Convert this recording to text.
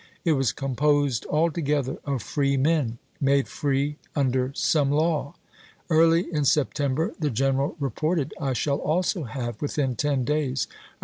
C(^mittee It was composcd altogether of free men ; made free of the War. uudcr somc law." Early in September the general reported, "I shall also have within ten days a ^stSon?